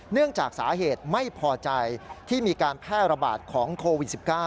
เนื่องจากสาเหตุไม่พอใจที่มีการแพร่ระบาดของโควิด๑๙